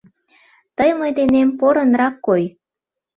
Тый мый денем порынрак кой.